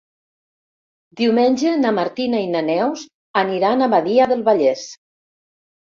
Diumenge na Martina i na Neus aniran a Badia del Vallès.